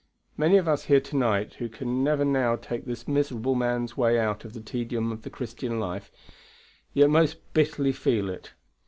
Many of us here to night who can never now take this miserable man's way out of the tedium of the Christian life, yet most bitterly feel it.